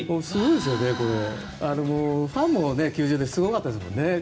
ファンも球場ですごかったですもんね